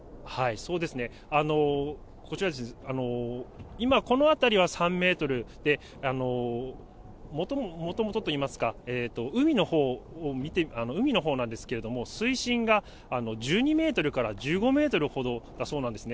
そうですね、こちら、今、この辺りは３メートルで、もともと、もともとといいますか、海のほう、海のほうなんですけども、水深が１２メートルから１５メートルほどだそうなんですね。